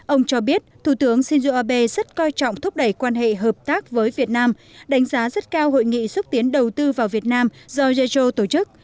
ông cho biết thủ tướng shinzo abe rất coi trọng thúc đẩy quan hệ hợp tác với việt nam đánh giá rất cao hội nghị xúc tiến đầu tư vào việt nam do jejo tổ chức